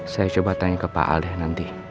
saya coba tanya ke pak aleh nanti